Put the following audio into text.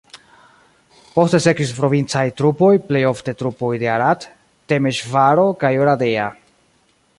Poste sekvis provincaj trupoj plej ofte trupoj de Arad, Temeŝvaro kaj Oradea.